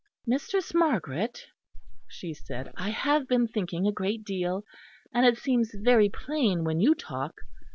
"Mistress Margaret," she said, "I have been thinking a great deal; and it seems very plain when you talk.